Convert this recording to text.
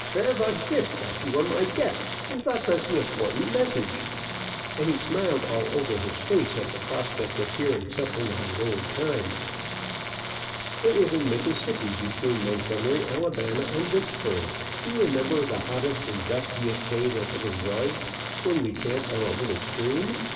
"Vere vas dis dat you were my guest, and vot vas de important message?" and he smiled all over his face at the prospect of hearing something about old times. "It was in Mississippi, between Montgomery, Ala., and Vicksburg. Do you remember the hottest and dustiest day that ever was, when we camped on a little stream?"